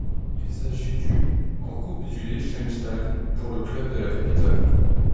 Il s'agit du en Coupe du Liechtenstein pour le club de la capitale.